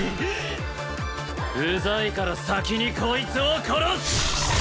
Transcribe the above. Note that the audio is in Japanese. うざいから先にこいつを殺す！